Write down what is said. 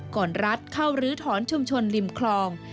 รัฐเข้าลื้อถอนชุมชนริมคลอง